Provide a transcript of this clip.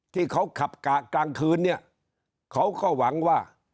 ที่เขาขับกะกลางคืนเนี่ยเขาก็หวังว่า